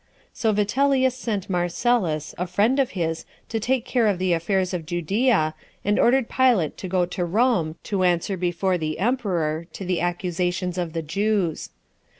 So Vitellius sent Marcellus, a friend of his, to take care of the affairs of Judea, and ordered Pilate to go to Rome, to answer before the emperor to the accusations of the Jews.